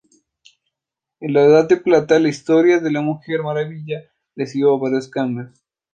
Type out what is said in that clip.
En la Edad de Plata, la historia de la Mujer Maravilla recibió varios cambios.